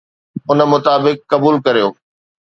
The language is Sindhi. ان مطابق قبول ڪريو